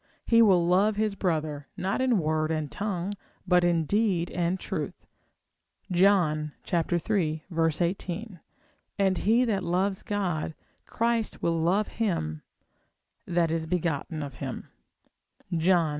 He will love his brother, not in word and tongue, but in deed and truth, John iii. 18. and he that loves God, Christ will love him that is begotten of him, John v.